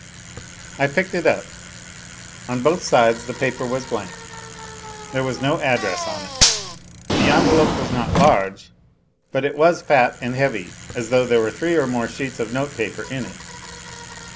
I picked it up. On both sides the paper was blank, there was no address on it. The envelope was not large, but it was fat and heavy, as though there were three or more sheets of notepaper in it.